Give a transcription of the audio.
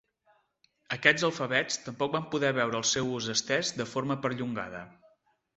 Aquests alfabets tampoc van poder veure el seu ús estès de forma perllongada.